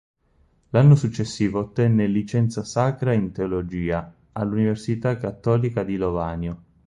L'anno successivo ottenne il Licenza Sacra in Teologia all'Università Cattolica di Lovanio.